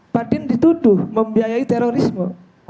pak din dituduh membiayai terorisme